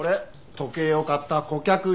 時計を買った顧客リスト。